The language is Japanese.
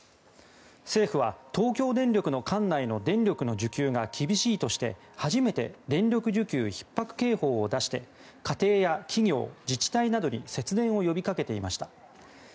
政府は東京電力の管内の電力の需給が厳しいとして初めて電力需給ひっ迫警報を出して家庭や企業、自治体などに節電を呼びかけていました。